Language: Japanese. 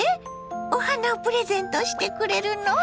お花をプレゼントしてくれるの？